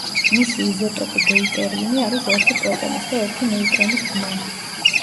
მისი იზოტოპი დეიტერიუმი არის ერთი პროტონის და ერთი ნეიტრონის ბმა.